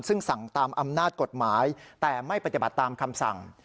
ซึ่งสั่งตามอำนาจกฎหมายแต่ไม่ปฏิบัติตามคำสั่ง